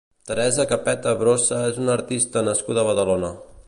Teresa Capeta Brossa és una artista nascuda a Badalona.